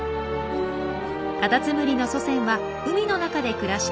カタツムリの祖先は海の中で暮らしていた巻貝。